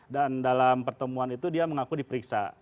dan dalam pertemuan itu dia mengaku diperiksa